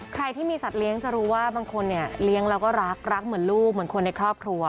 ใครที่มีสัตว์เลี้ยงจะรู้ว่าบางคนเนี่ยเลี้ยงแล้วก็รักรักเหมือนลูกเหมือนคนในครอบครัว